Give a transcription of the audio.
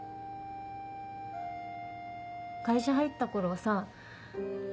会社入った頃はさ